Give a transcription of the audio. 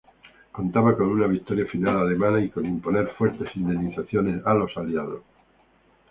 Contaba con una victoria final alemana y con imponer fuertes indemnizaciones a los Aliados.